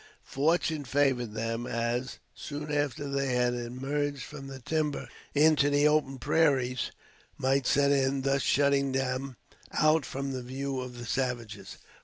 Fortune favored them, as, soon after they had emerged from the timber into the open prairies, night set in, thus shutting them out from the view of the savages.